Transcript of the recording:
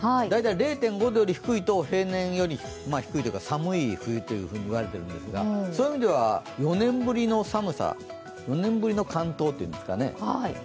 大体０．５度より低いと平年より寒い冬といわれているんですがそういう意味では４年ぶりの寒さ４年ぶりの寒冬というんですかね